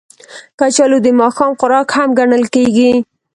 کچالو د ماښام خوراک هم ګڼل کېږي